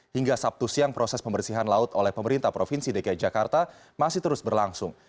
hingga sabtu siang proses pembersihan laut oleh pemerintah provinsi dki jakarta masih terus berlangsung